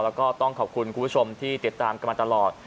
แล้วก็ต้องขอบคุณคุณผู้ชมที่ติดตามกันมาตลอด